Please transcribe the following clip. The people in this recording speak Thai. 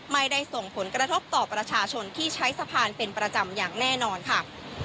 ไม่ได้ส่งผลกระทบต่อประชาชนที่ใช้สะพานเป็นประจำอย่างแน่นอนค่ะ